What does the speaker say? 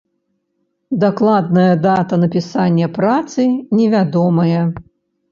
Дакладная дата напісання працы невядомая.